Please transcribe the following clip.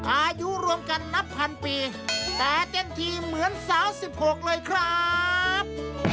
อายุรวมกันนับพันปีแต่เต็มทีเหมือนสาว๑๖เลยครับ